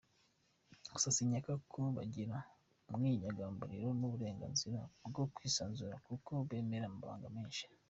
Gusa sinkeka ko bagira ubwinyagamburiro n;uburenganzira bwo kwisanzura kuko bamena amabagan menshi.